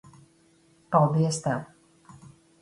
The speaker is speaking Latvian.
Paldies tev.